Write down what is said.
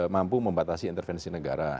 mampu membatasi intervensi negara